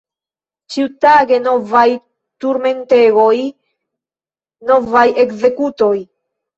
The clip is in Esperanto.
Ĉiutage novaj turmentegoj, novaj ekzekutoj!